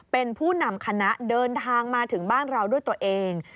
เป็นผู้นำคณะเดินทางมาถึงบ้านเราด้วยตัวเอง